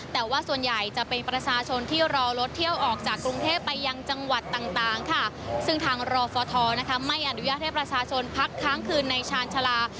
แต่ว่าส่วนใหญ่จะเป็นประชาชนที่รอรถเที่ยวออกจากกรุงเทพไปยังจังหวัดต่างค่ะซึ่งทางรอฟทไม่อนุญาตให้ประชาชนพักค้างคืนในชาญชาลา